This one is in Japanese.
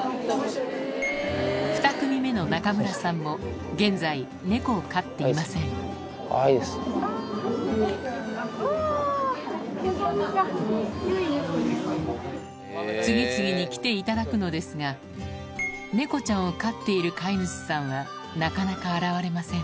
２組目の中村さんも現在次々に来ていただくのですがネコちゃんを飼っている飼い主さんはなかなか現れません